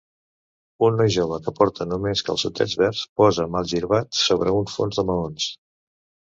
Un noi jove que porta només calçotets verds posa malgirbat sobre un fons de maons.